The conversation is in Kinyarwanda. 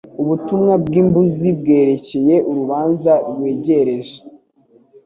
ubutumwa bw'imbuzi bwerekeye urubanza rwegereje